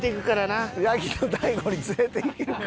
『ヤギと大悟』に連れていけるか！